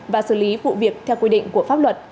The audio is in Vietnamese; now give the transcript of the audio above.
và xử lý vụ việc theo quy định của pháp luật